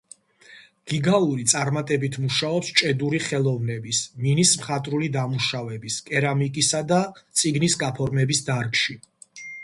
გიგაური წარმატებით მუშაობს ჭედური ხელოვნების, მინის მხატვრული დამუშავების, კერამიკისა და წიგნის გაფორმების დარგში.